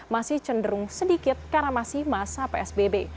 masih cenderung sedikit karena masih masa psbb